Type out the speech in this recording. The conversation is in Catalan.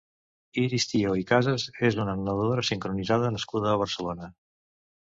Iris Tió i Casas és una nedadora sincronitzada nascuda a Barcelona.